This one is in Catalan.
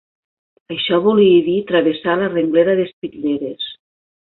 Això volia dir travessar la renglera d'espitlleres